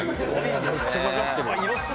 「めっちゃかかってる」